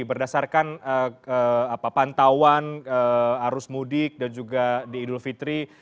berdasarkan pantauan arus mudik dan juga di idul fitri